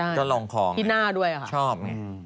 ก็ลองของที่หน้าด้วยค่ะชอบไง